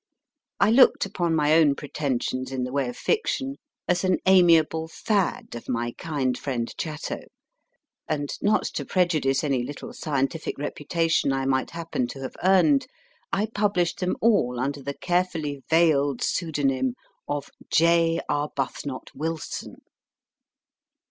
I looked upon my own pretensions in the way of fiction as an amiable fad of my kind friend Chatto ; and not to prejudice any little scientific reputation I might happen to have earned, I published them all under the carefully veiled pseudonym of J. Arbuthnot Wilson.